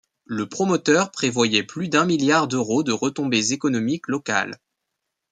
Le promoteur prévoyait plus d'un milliard d'euros de retombées économiques locales.